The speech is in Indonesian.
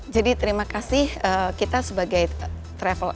jadi terima kasih kita sebagai travel agent yang tadi sudah berbicara tentang ini